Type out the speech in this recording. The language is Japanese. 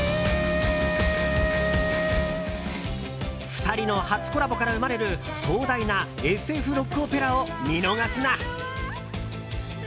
２人の初コラボから生まれる壮大なＳＦロックオペラを見逃すな！